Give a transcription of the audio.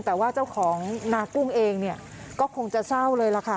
แต่ว่าเจ้าของนากุ้งเองเนี่ยก็คงจะเศร้าเลยล่ะค่ะ